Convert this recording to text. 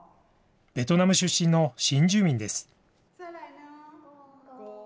ベトナム出身の新住民です。